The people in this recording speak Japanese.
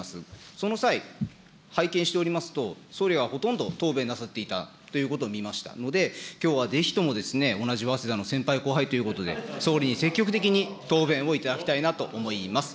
その際、拝見しておりますと、総理がほとんど答弁なさっていたということを見ましたので、きょうはぜひとも、同じ早稲田の先輩、後輩ということで、総理に積極的に答弁をいただきたいなと思います。